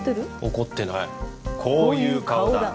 怒ってないこういう顔だ